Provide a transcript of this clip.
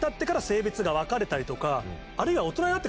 あるいは。